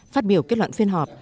phát biểu kết luận phiên họp